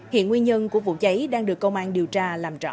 hiện nguyên nhân của vụ cháy đang được công an điều tra làm rõ